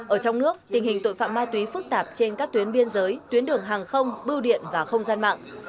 ở trong nước tình hình tội phạm ma túy phức tạp trên các tuyến biên giới tuyến đường hàng không bưu điện và không gian mạng